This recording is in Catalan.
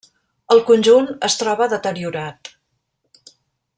El conjunt es troba deteriorat.